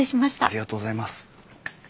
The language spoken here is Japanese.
ありがとうございます。